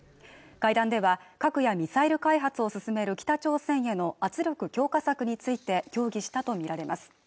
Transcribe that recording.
会談では核やミサイル開発を進める北朝鮮への圧力強化策について協議したと見られます